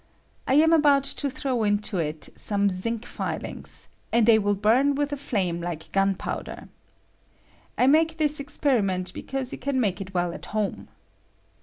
I am about to throw into it some zinc filing, aad they will buru with a flame like gunpowder. I mate this experiment be cause you can make it well at home.